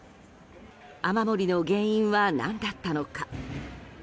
雨漏りの原因は何だったのか。